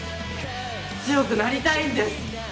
強くなりたいんです。